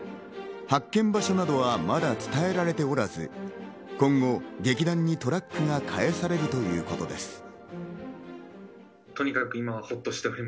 発見場所などはまだ伝えられておらず、今後、劇団にトラックが返されるということです。